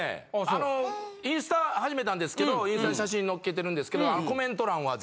あのインスタ始めたんですけどインスタに写真のっけてるんですけど。